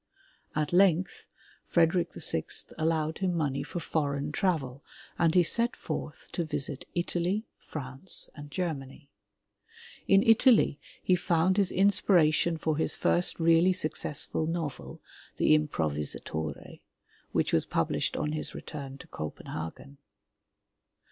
At length, Frederick VI allowed him money for foreign travel, and he set forth to visit Italy, France and Germany. In Italy he found his inspiration for his first really successful novel, The Im provisatorCy which was published on his return to Copenhagen.